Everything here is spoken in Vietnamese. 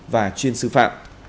và chuyên sư phạm